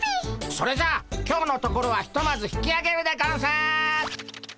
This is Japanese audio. それじゃあ今日のところはひとまず引きあげるでゴンス！